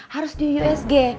harus di usg